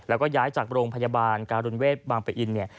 แล้วก็ย้ายจากโรงพยาบาลการุณเวทบางปะอินเนี่ย